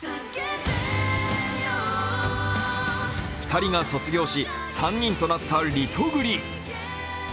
２人が卒業し３人となったリトグリ。